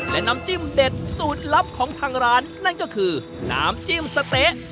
และน้ำจิ้มเด็ดสูตรลับของทางร้านนั่นก็คือน้ำจิ้มสะเต๊ะ